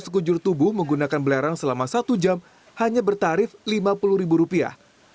sekujur tubuh menggunakan belerang selama satu jam hanya bertarif lima puluh ribu rupiah